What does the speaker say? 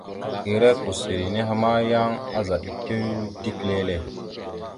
Ere kousseri nehe ma, yan azaɗ etew dik lele.